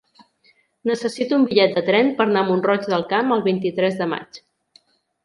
Necessito un bitllet de tren per anar a Mont-roig del Camp el vint-i-tres de maig.